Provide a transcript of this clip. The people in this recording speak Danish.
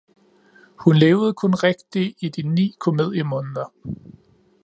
Hun levede kun rigtig i de ni komediemåneder